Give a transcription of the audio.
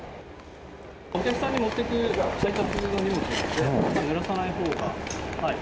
お客さんに持っていく配達の荷物なので、ぬらさないほうが。